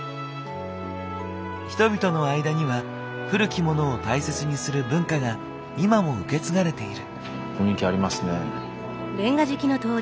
人々の間には古きモノを大切にする文化が今も受け継がれている。